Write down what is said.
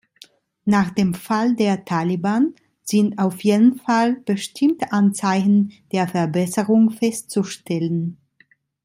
Nach dem Fall der Taliban sind auf jeden Fall bestimmte Anzeichen der Verbesserung festzustellen.